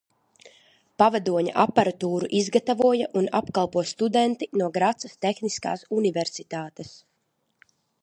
Pavadoņa aparatūru izgatavoja un apkalpo studenti no Gracas tehniskās universitātes.